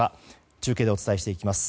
中継でお伝えしていきます。